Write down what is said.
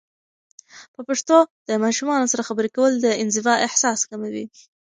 په پښتو د ماشومانو سره خبرې کول، د انزوا احساس کموي.